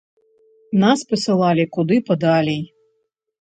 Нас пасылалі куды падалей.